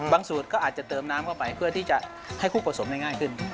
สูตรก็อาจจะเติมน้ำเข้าไปเพื่อที่จะให้คู่ผสมได้ง่ายขึ้น